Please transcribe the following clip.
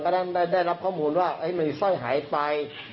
ก็ได้รับข้อมูลว่ามีสร้อยแบดหายไป